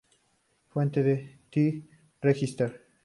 Fuente: "The Register".